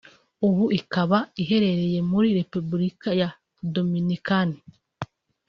ubu ikaba iherereye muri Repubulika ya Dominikani